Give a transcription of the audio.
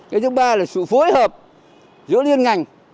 cái thứ ba là sự phối hợp giữa liên ngành